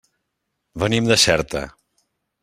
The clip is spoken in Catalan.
Venim de Xerta.